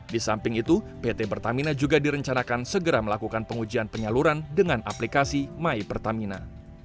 di samping itu pt pertamina juga direncanakan segera melakukan pengujian penyaluran dengan aplikasi my pertamina